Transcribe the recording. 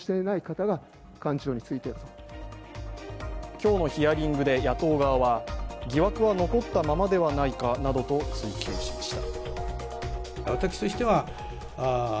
今日のヒアリングで野党側は疑惑は残ったままではないかなどと追及しました。